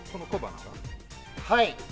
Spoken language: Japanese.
はい。